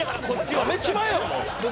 やめちまえよもう！